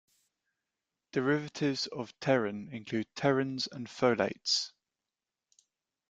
Derivatives of pterin include pterins and folates.